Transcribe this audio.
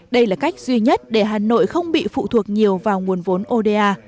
đây là cách duy nhất để hà nội không bị phụ thuộc nhiều vào nguồn vốn oda